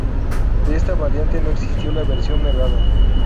De esta variante no existió la versión Nevada.